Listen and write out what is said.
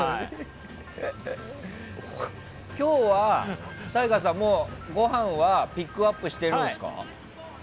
今日はＴＡＩＧＡさん、ごはんはピックアップしてるんですか？